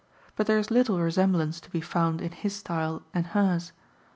But there is little resemblance to be found in his style and hers.